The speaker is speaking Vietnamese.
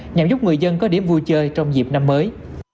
nhằm giúp người dân có điểm vui chơi trong dịp năm mới